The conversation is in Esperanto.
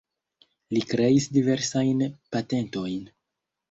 Li kreis diversajn patentojn.